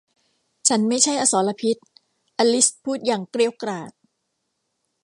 ฉันไม่ใช่อสรพิษ อลิซพูดอย่างเกรี้ยวกราด